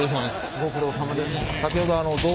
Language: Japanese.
ご苦労さまです。